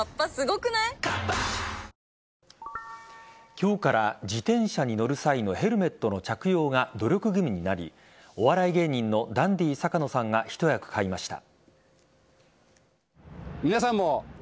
今日から自転車に乗る際のヘルメットの着用が努力義務になりお笑い芸人のダンディ坂野さんが一役買いました。